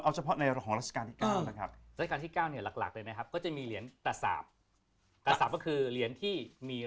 เอาจะในราศกาลที่๙หรือครับจะมีเหรียญกระสาบคือเหรียญที่มี